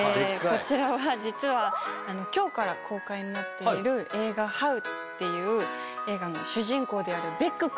こちらは実は今日から公開になっている映画『ハウ』っていう映画の主人公であるベック君でございます。